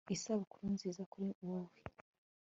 Isabukuru nziza kuri wewe